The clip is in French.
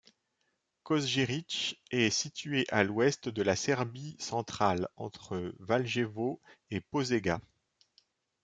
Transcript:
Kosjerić est située à l'ouest de la Serbie centrale entre Valjevo et Požega.